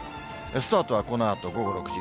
スタートはこのあと午後６時。